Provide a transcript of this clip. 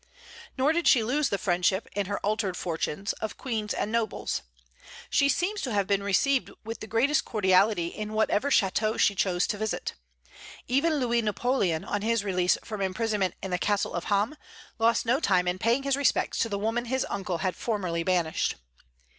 Nor did she lose the friendship, in her altered fortunes, of queens and nobles. She seems to have been received with the greatest cordiality in whatever chateau she chose to visit. Even Louis Napoleon, on his release from imprisonment in the castle of Ham, lost no time in paying his respects to the woman his uncle had formerly banished.